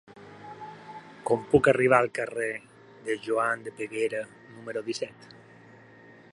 Com puc arribar al carrer de Joan de Peguera número disset?